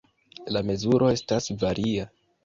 La mezuro estas varia.